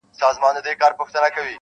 o ټولنه خپل عيب نه مني تل,